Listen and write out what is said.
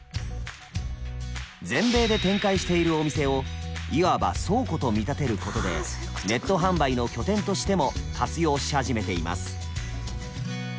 全米で展開しているお店をいわば倉庫と見立てることでネット販売の拠点としても活用し始めています。